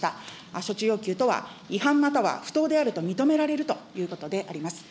処置要求とは違反、または不当であると認められるということであります。